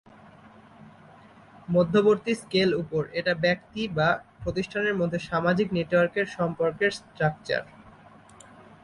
মধ্যবর্তী স্কেল উপর, এটা ব্যক্তি বা প্রতিষ্ঠানের মধ্যে সামাজিক নেটওয়ার্ক সম্পর্কের স্ট্রাকচার।